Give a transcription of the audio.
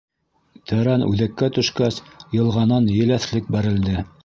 Тәрән үҙәккә төшкәс, йылғанан еләҫлек бәрелде.